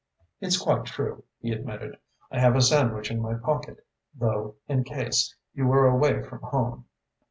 "It's quite true," he admitted. "I have a sandwich in my pocket, though, in case you were away from home."